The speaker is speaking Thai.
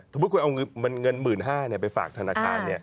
สมมุติคุณเอาเงิน๑๕๐๐บาทไปฝากธนาคาร